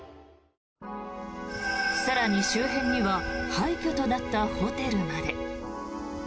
更に周辺には廃虚となったホテルまで。